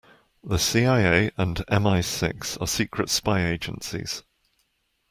The CIA and MI-Six are secret spy agencies.